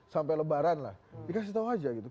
sampai lebaran lah dikasih tahu aja gitu